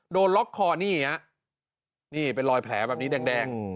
โดนล็อกคอนี่ฮะนี่เป็นรอยแผลแบบนี้แดง